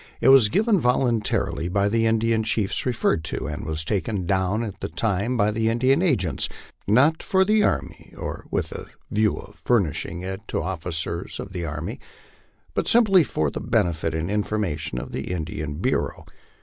It was given voluntarily by the Indian chiefs referred to, and was taken down at the time by the Indian agents, not for the army, or with a view of furnishing it to officers of the army, but simply for the benefit and information of the Indian Bureau.